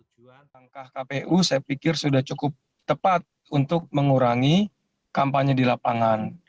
tujuan langkah kpu saya pikir sudah cukup tepat untuk mengurangi kampanye di lapangan